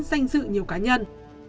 danh dự nhiều cá nhân